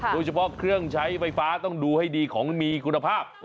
โดยเฉพาะเครื่องใช้ไฟฟ้าต้องดูให้ดีของมีคุณภาพ